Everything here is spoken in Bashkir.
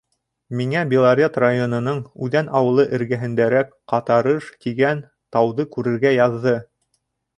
Миңә Белорет районының Үҙән ауылы эргәһендәрәк Ҡатарыж тигән тауҙы күрергә яҙҙы.